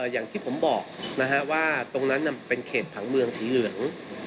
อย่างที่ผมบอกว่าตรงนั้นเป็นเขตผังเมืองสีเหลือง